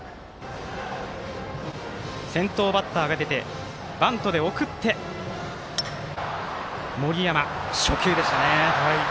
先頭バッターが出てバントで送って森山、初球でした。